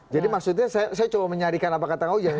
jadi maksudnya saya coba mencarikan apa kata ngauja